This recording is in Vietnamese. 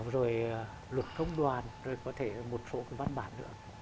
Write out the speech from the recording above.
rồi luật công đoàn rồi có thể một số cái văn bản nữa